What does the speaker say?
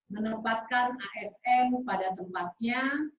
menempatkan asn pada tempatnya